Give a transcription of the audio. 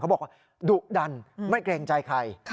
บอกว่าดุดันไม่เกรงใจใคร